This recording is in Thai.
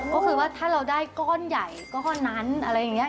ก็คือว่าถ้าเราได้ก้อนใหญ่ก้อนนั้นอะไรอย่างนี้